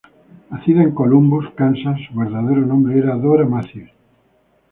Nacida en Columbus, Kansas, su verdadero nombre era Dora Matthews.